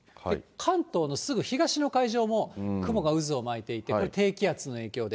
関東のすぐ東の海上も雲が渦を巻いていて、これ、低気圧の影響です。